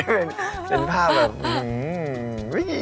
เป็นภาพแบบอืม